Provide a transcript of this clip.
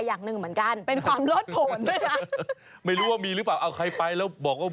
ผมว่าน่าจะเหมือนกับที่น้องนิวนาวบอกมีวินอยู่ที่มอร์อยู่ที่ยิปุ่นมีวินอยู่ที่นั่นจริง